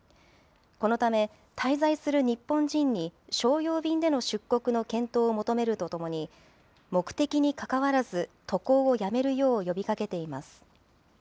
このため、滞在する日本人に、商用便での出国の検討を求めるとともに、目的にかかわらず、渡航をやめるよう呼びかけています。